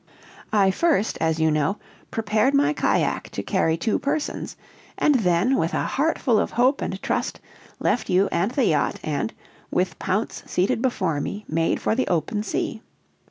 "I first, as you know, prepared my cajack to carry two persons; and then, with a heart full of hope and trust, left you and the yacht, and, with Pounce seated before me, made for the open sea.